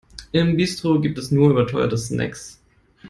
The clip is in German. Im Bistro gibt es nur überteuerte Snacks.